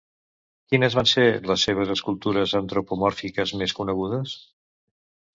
Quines van ser les seves escultures antropomòrfiques més conegudes?